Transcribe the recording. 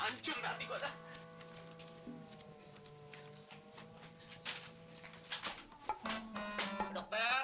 ancur dah hati gue dah